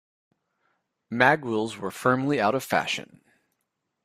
Mag wheels were firmly out of fashion.